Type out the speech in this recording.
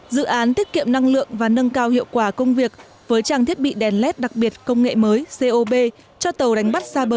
dự án tiết kiệm năng lượng và nâng cao hiệu quả công việc với trang thiết bị đèn led đặc biệt công nghệ mới cob cho tàu đánh bắt xa bờ